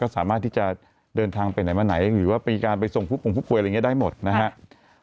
สามารถที่จะเดินทางไปไหนมาไหนหรือว่ามีการไปส่งผู้ปงผู้ป่วยอะไรอย่างนี้ได้หมดนะครับ